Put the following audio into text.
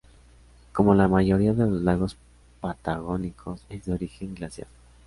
Como la mayoría de los lagos patagónicos, es de origen glaciar.